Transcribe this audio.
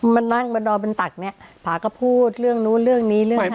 มานั่งมาดอนเป็นตักเนี่ยผาก็พูดเรื่องนู้นเรื่องนี้เรื่องนั้น